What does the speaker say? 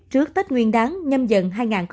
trước tết nguyên đáng nhâm dận hai nghìn hai mươi hai